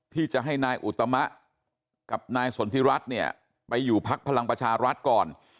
ที่จะให้นายอุตมะกับนายสนทิรัฐเนี่ยไปอยู่พักพลังประชารัฐก่อน